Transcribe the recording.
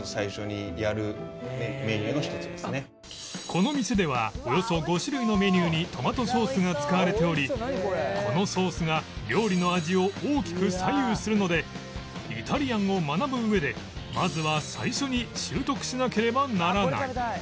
この店ではおよそ５種類のメニューにトマトソースが使われておりこのソースが料理の味を大きく左右するのでイタリアンを学ぶ上でまずは最初に習得しなければならない